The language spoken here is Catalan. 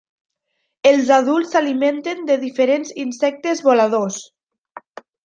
Els adults s'alimenten de diferents insectes voladors.